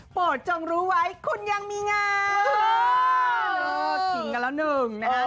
โปรดจงรู้ไว้คุณยังมีงาน